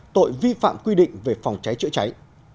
tội vi phạm quy định về phòng cháy chữa cháy